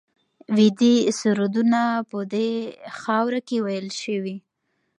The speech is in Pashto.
ویدي سرودونه په دې خاوره کې ویل شوي